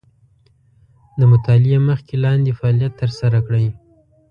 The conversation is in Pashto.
د مطالعې مخکې لاندې فعالیت تر سره کړئ.